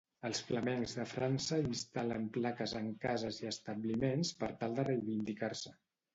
Els flamencs de França instal·len plaques en cases i establiments per tal de reivindicar-se.